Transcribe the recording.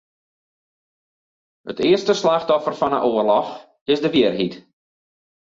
It earste slachtoffer fan 'e oarloch is de wierheid.